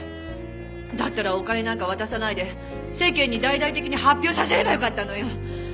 だったらお金なんか渡さないで世間に大々的に発表させればよかったのよ！